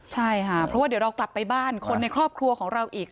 ใช่ค่ะเพราะว่าเดี๋ยวเรากลับไปบ้านคนในครอบครัวของเราอีก